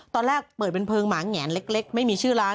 ตอนแรกเปิดเป็นเพลิงหมาแงนเล็กไม่มีชื่อร้าน